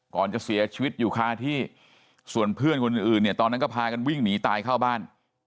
ก่อนจะเสียชีวิตอยู่คาที่ส่วนเพื่อนคนอื่นเนี่ยตอนนั้นก็พากันวิ่งหนีตายเข้าบ้าน